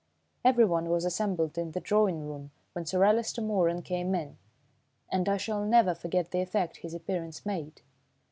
Everyone was assembled in the drawing room when Sir Alister Moeran came in, and I shall never forget the effect his appearance made.